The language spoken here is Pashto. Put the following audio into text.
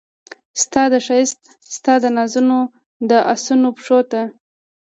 ستا د ښایست ستا دنازونو د اسونو پښو ته